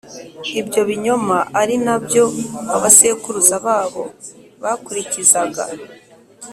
ibyo binyoma ari na byo abasekuruza babo bakurikizaga;